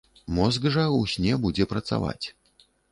Мозг жа ў сне будзе працаваць.